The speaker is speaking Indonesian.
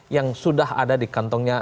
yang sudah ada di kantongnya